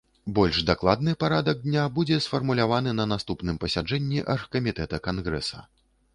Больш дакладны парадак дня будзе сфармуляваны на наступным пасяджэнні аргкамітэта кангрэса.